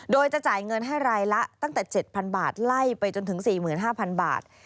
โดยจะจ่ายเงินให้รายละตั้งแต่๗๐๐บาทไล่ไปจนถึง๔๕๐๐บาท